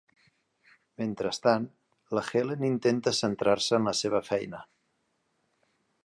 Mentrestant, la Helen intenta centrar-se en la seva feina.